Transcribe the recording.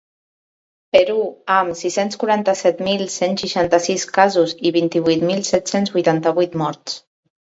Perú, amb sis-cents quaranta-set mil cent seixanta-sis casos i vint-i-vuit mil set-cents vuitanta-vuit morts.